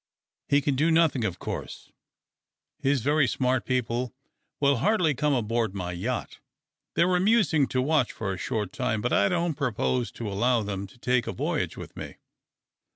He can do nothing, of course. His very smart people will hardly come aboard my yacht. They're amusing to watch for a short time, but I don't propose to allow them to take a voyage with me."